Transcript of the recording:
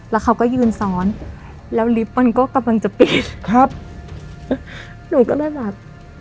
แล้วเขาก็ยืนซ้อนแล้วลิฟต์มันก็กำลังจะปิดครับหนูก็เลยแบบ